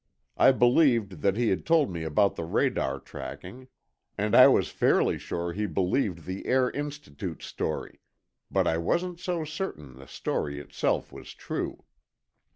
I believed, that he had told me about the radar tracking. And I was fairly sure he believed the Air Institute story. But I wasn't so certain the story itself was true.